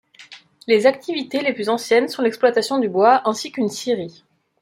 Les activités les plus anciennes sont l'exploitation du bois ainsi qu'une scierie.